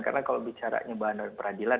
karena kalau bicara bahan bahan peradilan